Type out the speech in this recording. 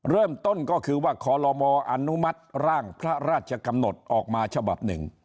เริ่มต้นก็คือว่าขอรมออนุมัติร่างพระราชกำหนดออกมาฉบับหนึ่ง